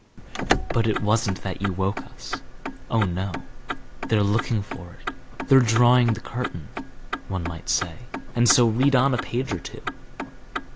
But it wasn't that you woke us. Oh, no. "They're looking for it; they're drawing the curtain, one might say, and so read on a page or two.